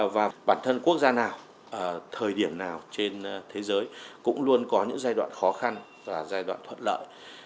và bản thân quốc gia nào thời điểm nào trên thế giới cũng luôn có những giai đoạn khó khăn và giai đoạn thuận lợi